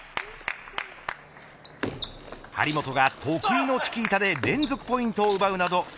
張本が得意のチキータで連続ポイントを奪うなど